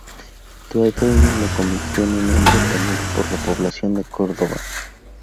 Todo ello le convirtió en un hombre temido por la población de Córdoba.